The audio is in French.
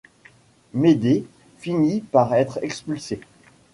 Médée finit par être expulsée.